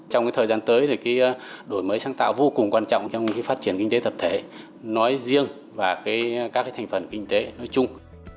trong thời gian tới đổi mới sáng tạo vô cùng quan trọng trong phát triển kinh tế thập thể nói riêng và các thành phần kinh tế nói chung